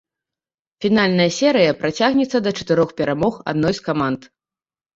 Фінальная серыя працягнецца да чатырох перамог адной з каманд.